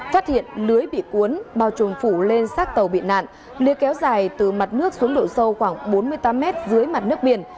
phát hiện lưới bị cuốn bao trùm phủ lên sát tàu bị nạn lưới kéo dài từ mặt nước xuống độ sâu khoảng bốn mươi tám mét dưới mặt nước biển